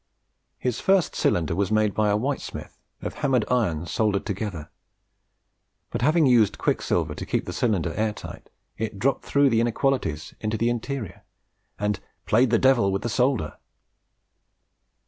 His first cylinder was made by a whitesmith, of hammered iron soldered together, but having used quicksilver to keep the cylinder air tight, it dropped through the inequalities into the interior, and "played the devil with the solder."